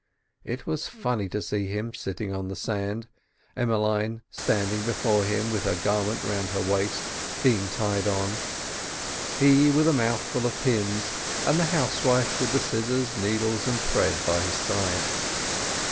It was funny to see him sitting on the sand, Emmeline standing before him with her garment round her waist, being tried on; he, with a mouthful of pins, and the housewife with the scissors, needles, and thread by his side.